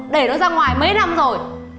để nó ra ngoài mấy năm rồi